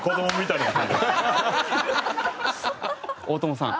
大友さん